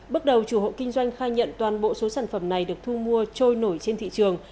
bước đầu chủ hộ kinh doanh khai nhận toàn bộ số sản phẩm này được thu mua trôi nổi trên thị trường